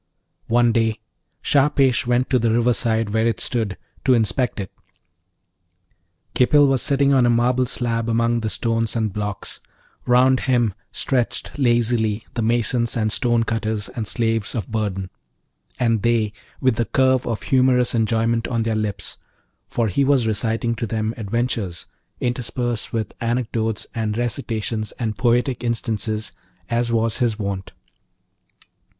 One day Shahpesh went to the riverside where it stood, to inspect it. Khipil was sitting on a marble slab among the stones and blocks; round him stretched lazily the masons and stonecutters and slaves of burden; and they with the curve of humorous enjoyment on their lips, for he was reciting to them adventures, interspersed with anecdotes and recitations and poetic instances, as was his wont.